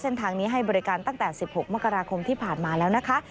เส้นทางนี้ให้บริการตั้งแต่๑๖มกราคมที่ผ่านมาแล้วนะคะ